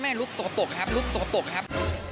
ไม่รุกตกปลกครับ